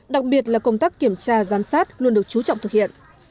đặc biệt là công tác kiểm tra giám sát luôn được chú trọng thực hiện